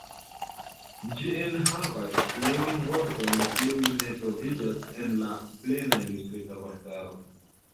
Ĝi enhavas tiujn vortojn kiuj ne troviĝas en la "Plena Ilustrita Vortaro".